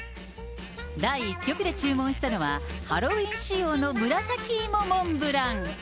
第１局で注文したのは、ハロウィーン仕様の紫芋モンブラン。